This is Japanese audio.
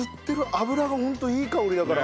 油がホントいい香りだから。